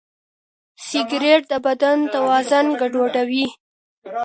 سګریټ د بدن توازن ګډوډوي.